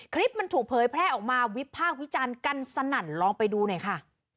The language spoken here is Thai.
คลิปมันถูกเผยแพร่ออกมาวิพากษ์วิจารณ์กันสนั่นลองไปดูหน่อยค่ะ